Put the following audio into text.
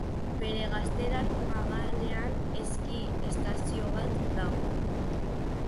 Bere gaztelar magalean eski-estazio bat dago.